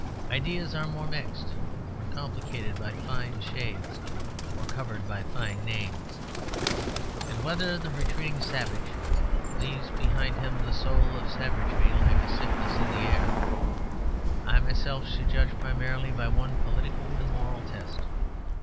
Ideas are more mixed, are complicated by fine shades or covered by fine names. And whether the retreating savage leaves behind him the soul of savagery, like a sickness in the air, I myself should judge primarily by one political and moral test.